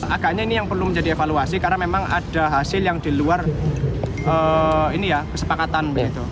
agaknya ini yang perlu menjadi evaluasi karena memang ada hasil yang di luar kesepakatan